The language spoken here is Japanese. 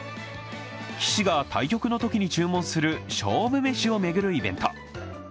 棋士が対局のときに注文する勝負めしを巡るイベント。